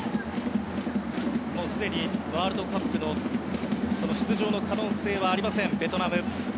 もうすでにワールドカップの出場の可能性はありませんベトナム。